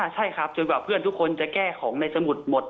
ใช่ครับจนกว่าเพื่อนทุกคนจะแก้ของในสมุดหมด